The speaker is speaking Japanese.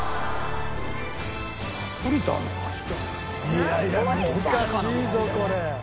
いやいや難しいぞこれ。